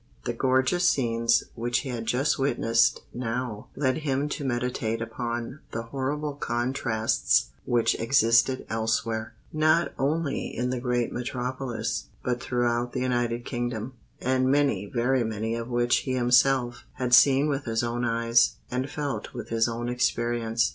The gorgeous scenes which he had just witnessed now led him to meditate upon the horrible contrasts which existed elsewhere, not only in the great metropolis, but throughout the United Kingdom,—and many, very many of which he himself had seen with his own eyes, and felt with his own experience.